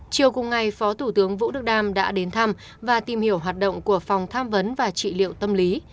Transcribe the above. chiều cùng ngày phó thủ tướng vũ đức đam đã đến thăm và tìm hiểu hoạt động của phòng tham vấn và trị liệu tâm lý